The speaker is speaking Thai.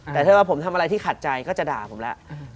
แต่ถ้าว่าผมทำอะไรที่ขัดใจก็จะด่าผมแล้ว